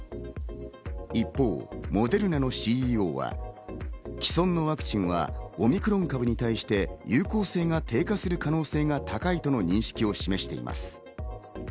一方、モデルナのＣＥＯは既存のワクチンはオミクロン株に対して有効性が低下する可能性が高いとの認識を示しています。